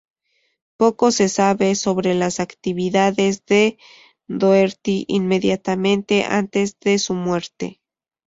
Poco se sabe sobre las actividades de Doherty inmediatamente antes de su muerte.